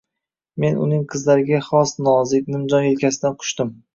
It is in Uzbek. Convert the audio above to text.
Men uning qizlarga xos nozik, nimjon yelkasidan quchdim.